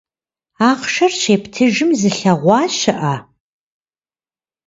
Ахъшэр щептыжым зылъэгъуа щыӀэ?